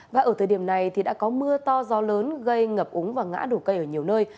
và ở thời điểm này thì đã có mưa to gió lớn gây ngập úng và ngã đổ cây ở nhiều nơi